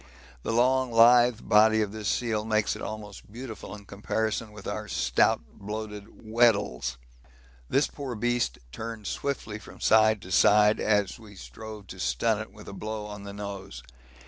The long lithe body of this seal makes it almost beautiful in comparison with our stout, bloated Weddells. This poor beast turned swiftly from side to side as we strove to stun it with a blow on the nose.